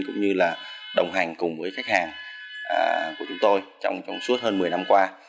cũng như là đồng hành cùng với khách hàng của chúng tôi trong suốt hơn một mươi năm qua